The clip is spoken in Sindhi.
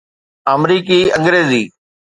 آمريڪي انگريزي